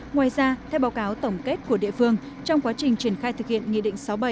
ngoài ra theo báo cáo tổng kết của địa phương trong quá trình triển khai thực hiện nghị định sáu mươi bảy